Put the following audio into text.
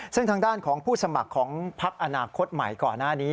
ซึ่งทางด้านของผู้สมัครของพักอนาคตใหม่ก่อนหน้านี้